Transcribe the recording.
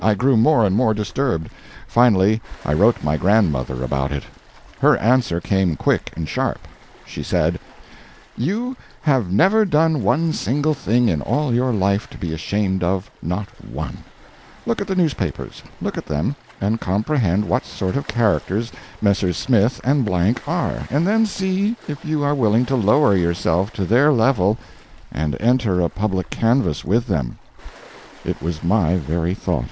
I grew more and more disturbed. Finally I wrote my grandmother about it. Her answer came quick and sharp. She said: You have never done one single thing in all your life to be ashamed of not one. Look at the newspapers look at them and comprehend what sort of characters Messrs. Smith and Blank are, and then see if you are willing to lower yourself to their level and enter a public canvass with them. It was my very thought!